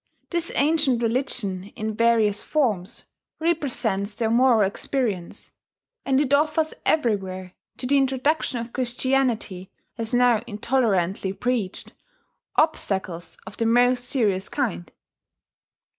This ancient religion, in various forms, represents their moral experience; and it offers everywhere to the introduction of Christianity, as now intolerantly preached, obstacles of the most serious kind.